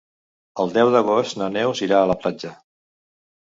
El deu d'agost na Neus irà a la platja.